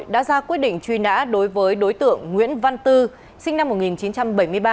đã ra quyết định truy nã đối với đối tượng nguyễn văn tư sinh năm một nghìn chín trăm bảy mươi ba